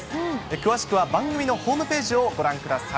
詳しくは番組のホームページをご覧ください。